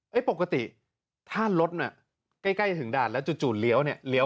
ไปปกติถ้ารถน่ะใกล้ถึงด่านแล้วจู่เหลี่ยวเนี่ย